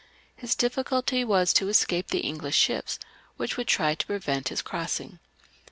His difficulty was to escape the English ships, which would try to prevent his crossing.